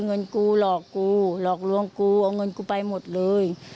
เงินกูหลอกกูหลอกลวงกูเอาเงินกูไปหมดเลย